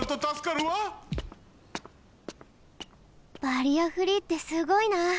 バリアフリーってすごいな。